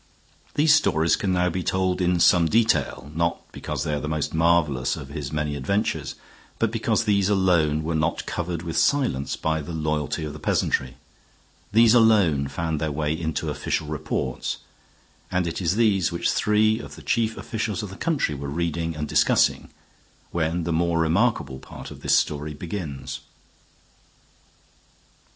These stories can now be told in some detail, not because they are the most marvelous of his many adventures, but because these alone were not covered with silence by the loyalty of the peasantry. These alone found their way into official reports, and it is these which three of the chief officials of the country were reading and discussing when the more remarkable part of this story begins.